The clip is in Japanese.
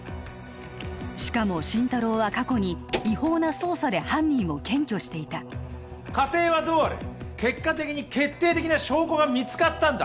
しかも心太朗は過去に違法な捜査で犯人を検挙していた過程はどうあれ結果的に決定的な証拠が見つかったんだ